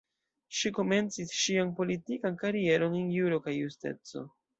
Ŝi komencis ŝian politikan karieron en Juro kaj Justeco.